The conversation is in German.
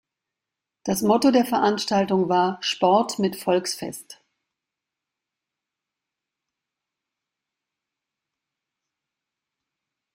Das Motto der Veranstaltung war „Sport mit Volksfest“.